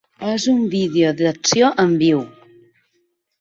És un vídeo d'acció en viu.